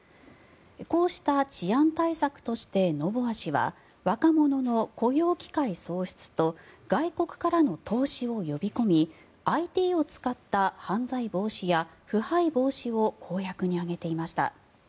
こうした治安対策としてノボア氏は若者の雇用機会創出と外国からの投資を呼び込みＩＴを使った犯罪防止や腐敗防止を公約に挙げていました。